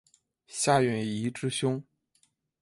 夏允彝之兄。